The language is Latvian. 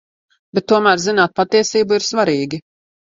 Bet tomēr zināt patiesību ir svarīgi.